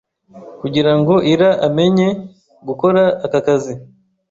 Kugira ngo Ira amenye gukora aka kazi,